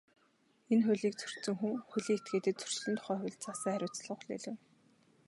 Энэ хуулийг зөрчсөн хүн, хуулийн этгээдэд Зөрчлийн тухай хуульд заасан хариуцлага хүлээлгэнэ.